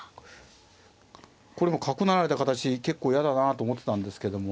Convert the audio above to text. これも角成られた形結構嫌だなと思ってたんですけども。